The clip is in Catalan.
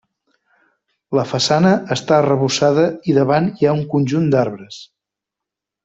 La façana està arrebossada i davant hi ha un conjunt d'arbres.